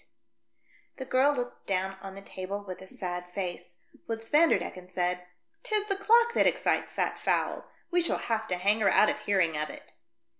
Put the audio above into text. T I9 The girl looked down on the table with a sad face, whilst Vanderdecken said, "'Tis the clock that excites that fowl ; we shall have to hang her out of hearing of it."